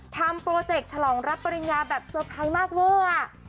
โปรเจกต์ฉลองรับปริญญาแบบเตอร์ไพรส์มากเวอร์